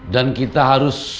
dan kita harus